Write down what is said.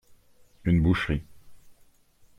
Une boucherie.